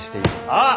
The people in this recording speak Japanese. ああ！